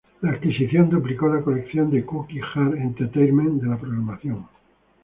La adquisición duplicó la colección de Cookie Jar Entertainment, de la programación.